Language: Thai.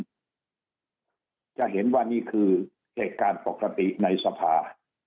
จะเห็นว่านี่คือเหตุการณ์ปกติในสภา